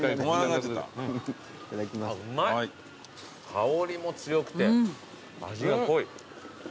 香りも強くて味が濃い。